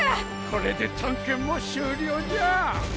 これで探検も終了じゃ。